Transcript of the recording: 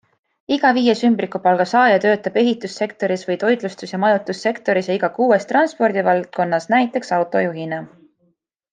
Iga viies ümbrikupalga saaja töötab ehitussektoris või toitlustus- ja majutussektoris ja iga kuues transpordivaldkonnas näiteks autojuhina.